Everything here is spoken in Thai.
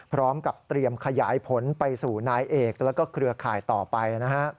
พร้อมกับเตรียมขยายผลไปสู่นายเอกแล้วก็เครือข่ายต่อไปนะฮะ